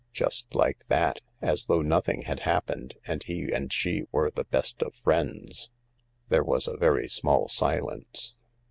Just like that — as though nothing had hap pened and he and she were the best of friends. There was a very small silence.